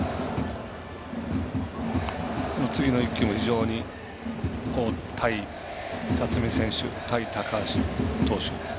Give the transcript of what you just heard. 次の１球も非常に対辰己選手対高橋投手。